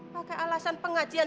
pakai alasan pengajian